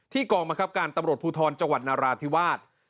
กองบังคับการตำรวจภูทรจังหวัดนราธิวาส